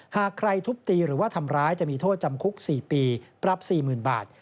หากใครทุบตีหรือว่าทำร้ายจะมีโทษจำคุก๔ปีปรับ๔๐๐๐บาท